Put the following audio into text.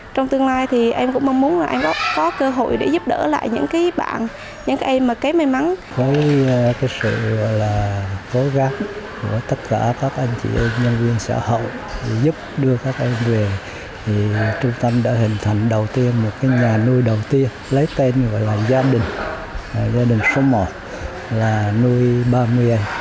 trung tâm đã hình thành đầu tiên một nhà nuôi đầu tiên lấy tên gọi là gia đình gia đình số một là nuôi ba mươi em